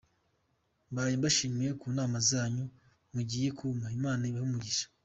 Mbaye mbashimiye ku nama zanyu mugiye kumpa, Imana ibahe umugisha.